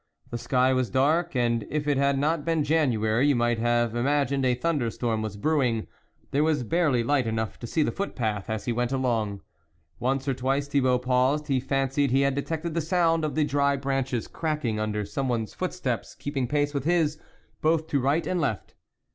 The sky was dark, and if it had not been January, you might have im agined a thunder storm was brewing ; there was barely light enough to see the footpath, as he went along. Once or twice Thibault paused ; he fancied he had detected the sound of the dry branches cracking under someone's footsteps keep ing pace with his, both to right and left.